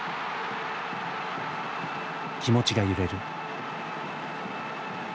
気持ちが揺れる。